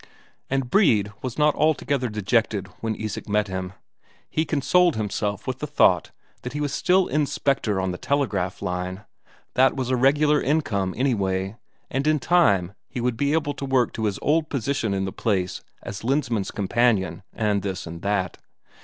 And Brede was not altogether dejected when Isak met him; he consoled himself with the thought that he was still Inspector on the telegraph line; that was a regular income, anyway, and in time he would be able to work up to his old position in the place as the Lensmand's companion and this and that.